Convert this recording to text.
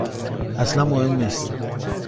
اصلا مهم نیست.